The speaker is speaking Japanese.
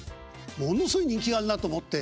ものすごい人気があるなと思って。